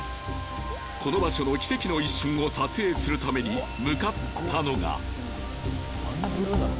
この場所の奇跡の一瞬を撮影するために向かったのがあんなブルーなの？